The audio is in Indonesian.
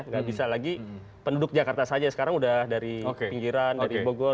nggak bisa lagi penduduk jakarta saja sekarang udah dari pinggiran dari bogor